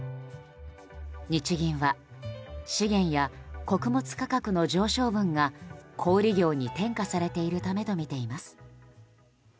日銀は資源や穀物価格の上昇分が小売業に転嫁されているためとみています。